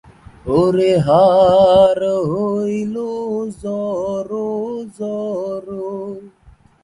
প্রাচীন কাল থেকেই ভারত-এর বিভিন্ন সংস্কৃতিতে বিভিন্ন গাছ পূজার প্রচলন আছে।